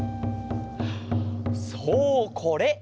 そうこれ！